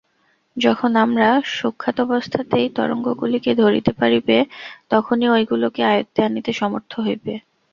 যখন আমরা সূক্ষ্মাবস্থাতেই তরঙ্গগুলিকে ধরিতে পারিবে, তখনই ঐগুলিকে আয়ত্তে আনিতে সমর্থ হইব।